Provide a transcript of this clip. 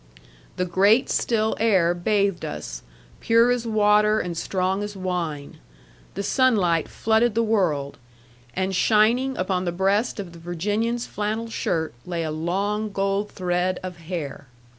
The great, still air bathed us, pure as water and strong as wine; the sunlight flooded the world; and shining upon the breast of the Virginian's flannel shirt lay a long gold thread of hair!